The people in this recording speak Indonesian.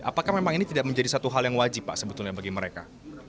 apakah memang ini tidak menjadi satu hal yang wajib pak sebetulnya bagi mereka